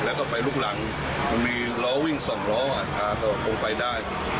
เป็นลุกรังมันมีล้อวิ่ง๒ล้อทางก็มย่วไก่ได้